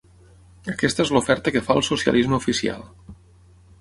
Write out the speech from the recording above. Aquesta és l’oferta que fa el socialisme oficial.